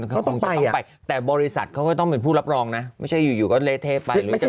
เขาต้องเข้าไปแต่บริษัทเขาก็ต้องเป็นผู้รับรองนะไม่ใช่อยู่อยู่ก็เละเทะไปหรือจะ